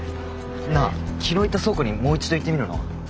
なあ昨日行った倉庫にもう一度行ってみるのは？